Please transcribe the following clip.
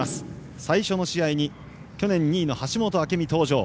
最初の試合に去年２位の橋本朱未が登場。